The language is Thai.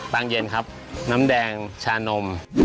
เย็นครับน้ำแดงชานม